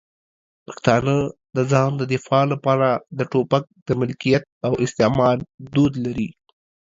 پښتانه د ځان د دفاع لپاره د ټوپک د ملکیت او استعمال دود لري.